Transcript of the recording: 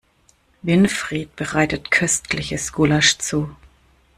Winfried bereitet köstliches Gulasch zu.